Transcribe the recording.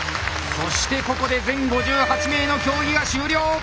そしてここで全５８名の競技が終了。